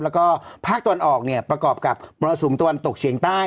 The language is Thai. แล้วก็ภาคตะวันออกเนี่ยประกอบกับมรสุมตะวันตกเฉียงใต้